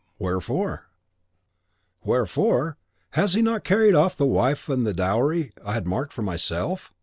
"Wherefore?' "Wherefore! Has he not carried off the wife and the dowry I had marked for myself!